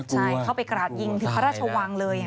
ใช่เข้าไปกราดยิงถึงพระราชวังเลย